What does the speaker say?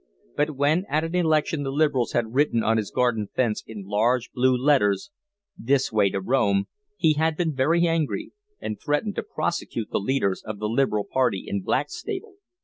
But when at an election the Liberals had written on his garden fence in large blue letters: This way to Rome, he had been very angry, and threatened to prosecute the leaders of the Liberal party in Blackstable.